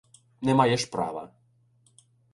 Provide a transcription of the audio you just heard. Не маєш права.